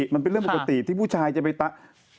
มันเป็นเรื่องปกติที่ผู้ชายจะไป